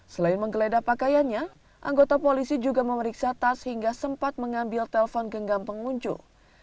selain menggeledah pakaiannya anggota polisi juga memeriksa tas hingga sempat mengambil telpon genggam pengunjung